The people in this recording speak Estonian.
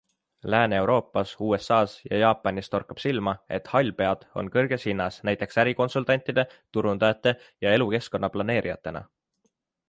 Lääne-Euroopas, USAs ja Jaapanis torkab silma, et hallpead on kõrges hinnas näiteks ärikonsultantide, turundajate ja elukeskkonna planeerijatena.